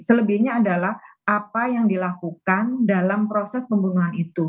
selebihnya adalah apa yang dilakukan dalam proses pembunuhan itu